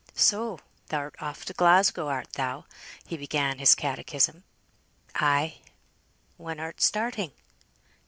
"So thou'rt off to Glasgow, art thou?" he began his catechism. "Ay." "When art starting?"